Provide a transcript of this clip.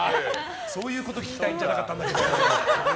そういうこと聞きたかったんじゃないんだけど。